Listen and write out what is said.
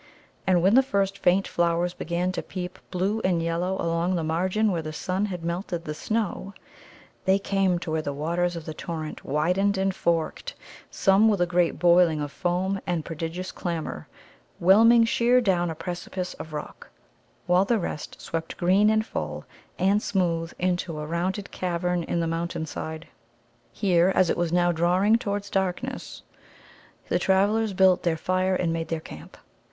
And when the first faint flowers began to peep blue and yellow along the margin where the sun had melted the snow, they came to where the waters of the torrent widened and forked, some, with a great boiling of foam and prodigious clamour, whelming sheer down a precipice of rock, while the rest swept green and full and smooth into a rounded cavern in the mountain side. Here, as it was now drawing towards darkness, the travellers built their fire and made their camp.